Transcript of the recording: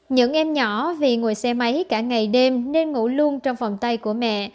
những em nhỏ vì ngồi xe máy cả ngày đêm nên ngủ luôn trong vòng tay của mẹ